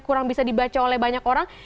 kurang bisa dibaca oleh banyak orang